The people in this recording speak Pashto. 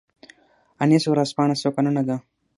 انیس ورځپاڼه څو کلنه ده؟